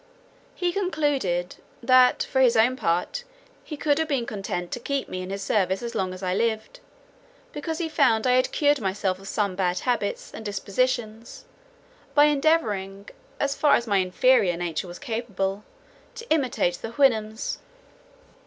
He concluded, "that for his own part, he could have been content to keep me in his service as long as I lived; because he found I had cured myself of some bad habits and dispositions, by endeavouring, as far as my inferior nature was capable, to imitate the Houyhnhnms."